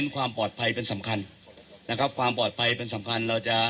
ความปลอดภัยเป็นสำคัญ